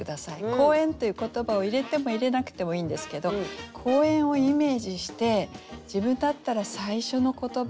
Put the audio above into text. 「公園」という言葉を入れても入れなくてもいいんですけど公園をイメージして自分だったら最初の言葉